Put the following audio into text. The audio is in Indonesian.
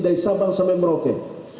dari sabang sampai merauke